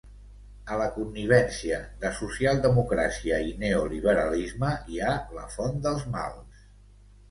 A la connivència de socialdemocràcia i neoliberalisme hi ha la font dels mals